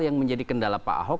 yang menjadi kendala pak ahok